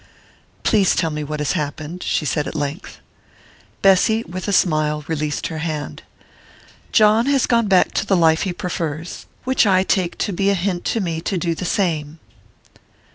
"Please tell me what has happened," she said at length. Bessy, with a smile, released her hand. "John has gone back to the life he prefers which I take to be a hint to me to do the same."